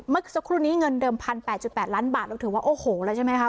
เมื่อครุ่นนี้เงินเดิมพันแปดจุดแปดล้านบาทเราถือว่าโอ้โหแล้วใช่ไหมคะ